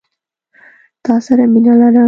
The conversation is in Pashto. تا سره مينه لرم.